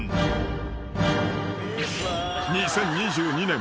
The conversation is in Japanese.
［２０２２年。